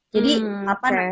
jadi apa namanya itu